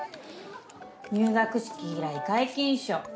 入学式以来皆勤賞。